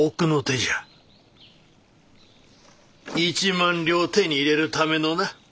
１万両手に入れるためのな。